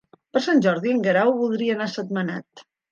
Per Sant Jordi en Guerau voldria anar a Sentmenat.